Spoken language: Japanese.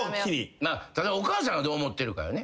ただお母さんがどう思ってるかよね。